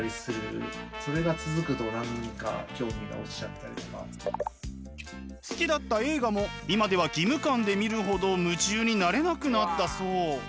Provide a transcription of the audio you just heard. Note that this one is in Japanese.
捨てるに捨てられない好きだった映画も今では義務感で見るほど夢中になれなくなったそう。